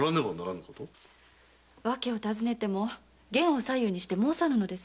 訳をたずねても言を左右にして申さぬのです。